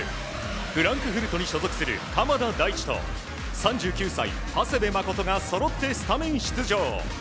フランクフルトに所属する鎌田大地と３９歳、長谷部誠がそろってスタメン出場。